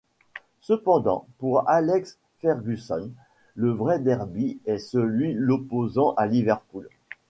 Cependant pour Alex Ferguson, le vrai derby est celui l'opposant à Liverpool.